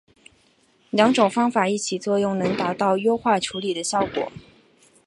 两种方法一起作用能达到优化处理的效果。